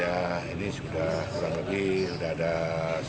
ya ini sudah kurang lebih sudah ada sepuluh orang